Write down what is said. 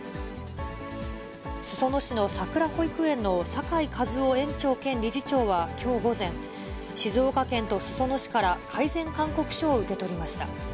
裾野市のさくら保育園の酒井和夫園長兼理事長はきょう午前、静岡県と裾野市から改善勧告書を受け取りました。